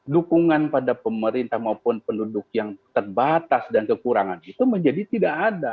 dukungan pada pemerintah maupun penduduk yang terbatas dan kekurangan itu menjadi tidak ada